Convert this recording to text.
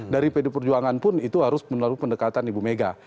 dari pd perjuangan pun itu harus melalui pendekatan ibu mega